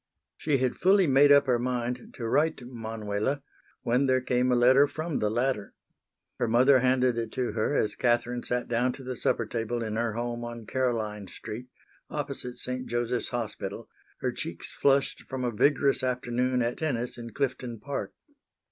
She had fully made up her mind to write to Manuela, when there came a letter from the latter. Her mother handed it to her as Catherine sat down to the supper table in her home on Caroline street, opposite St. Joseph's Hospital, her cheeks flushed from a vigorous afternoon at tennis in Clifton Park.